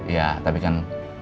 ya tapi kan